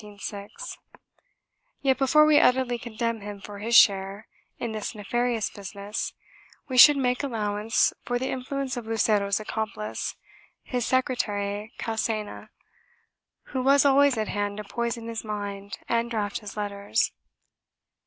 2 Yet before we utterly condemn him for his share in this nefarious business we should make allowance for the influence of Lucero's accomplice, his secretary Calcena, who was always at hand to poison his mind and draft his letters.